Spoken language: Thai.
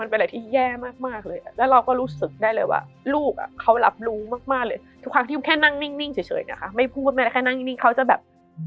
เป็นอะไรที่แย่มากเลยแล้วเราก็รู้สึกได้เลยว่าลูกอ่ะเขารับรู้มากเลยทุกครั้งที่แค่นั่งนิ่งเฉยนะคะไม่พูดไม่ได้แค่นั่งนิ่งเขาจะแบบ